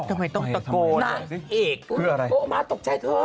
ทำไมต้องตะโกนนางเอกโทรมาตกใจเธอ